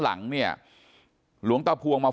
ฝ่ายกรเหตุ๗๖ฝ่ายมรณภาพกันแล้ว